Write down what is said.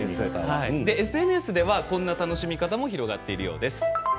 ＳＮＳでこんな楽しみ方も広がっているようです。